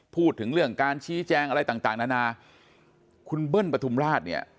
พูดถึงเรื่องการชี้แจงอะไรต่างนานาคุณเบิ้ลปฐุมราชเนี่ย